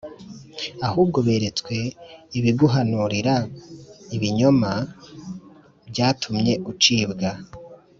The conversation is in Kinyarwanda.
Ahubwo beretswe ibiguhanurira ibinyoma, Byatumye ucibwa.